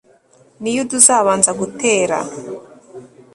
ni yuda uzabanza gutera